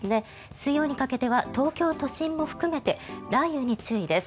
水曜にかけては東京都心も含めて雷雨に注意です。